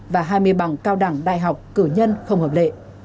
và hai mươi bằng cao đẳng đại học cử nhân không hợp lệ